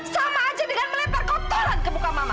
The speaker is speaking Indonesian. sama aja dengan melempar kotoran ke muka mama